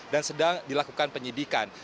dan sedang dilakukan penyidikan